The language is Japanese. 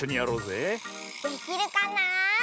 できるかな？